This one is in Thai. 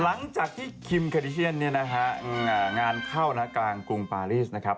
หลังจากที่คิมเคดิเชียนเนี่ยนะฮะงานเข้านะกลางกรุงปารีสนะครับ